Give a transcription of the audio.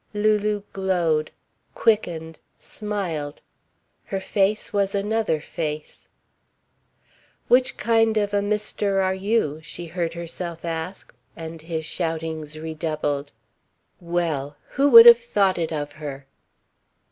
Lulu glowed, quickened, smiled. Her face was another face. "Which kind of a Mr. are you?" she heard herself ask, and his shoutings redoubled. Well! Who would have thought it of her?